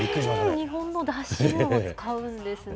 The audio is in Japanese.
日本のだしを使うんですね。